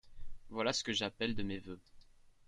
Voilà ce que j’appelle de mes vœux.